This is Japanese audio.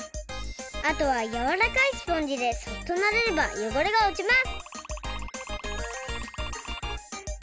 あとはやわらかいスポンジでそっとなでればよごれがおちます！